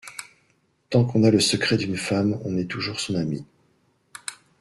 Tant qu’on a le secret d’une femme, on est toujours son ami.